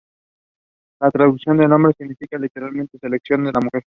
La traducción del nombre significa literalmente "Sección de la Mujer".